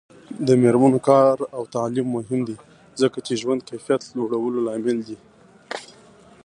د میرمنو کار او تعلیم مهم دی ځکه چې ژوند کیفیت لوړولو لامل دی.